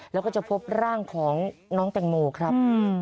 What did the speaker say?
แล้วก็จะพบร่างของน้องแตงโมครับ